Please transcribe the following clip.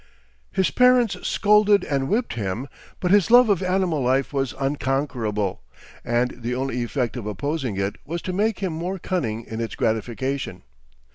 His parents scolded and whipped him, but his love of animal life was unconquerable, and the only effect of opposing it was to make him more cunning in its gratification.